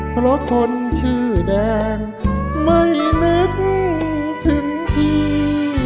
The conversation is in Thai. เพราะคนชื่อแดงไม่นึกถึงพี่